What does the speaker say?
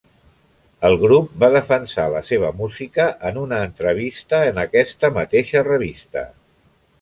El grup va defensar la seva música en una entrevista en aquesta mateixa revista.